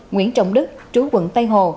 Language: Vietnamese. nguyễn trọng đức trú huyện tây hồ